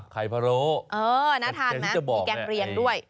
พะโรน่าทานไหมมีแกงเรียงด้วย